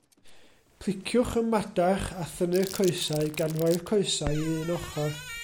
Pliciwch y madarch a thynnu'r coesau, gan roi'r coesau i un ochr.